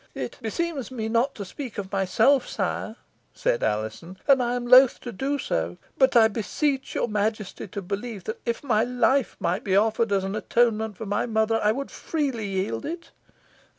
"It beseems me not to speak of myself, sire," said Alizon, "and I am loth to do so but I beseech your majesty to believe, that if my life might be offered as an atonement for my mother, I would freely yield it."